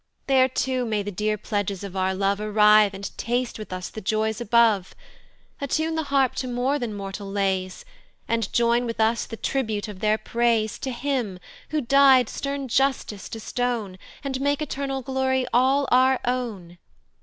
"There too may the dear pledges of our love "Arrive, and taste with us the joys above; "Attune the harp to more than mortal lays, "And join with us the tribute of their praise "To him, who dy'd stern justice to stone, "And make eternal glory all our own.